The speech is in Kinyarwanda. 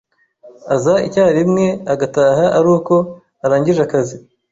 Aza icyarimwe agataha aruko arangije akazi.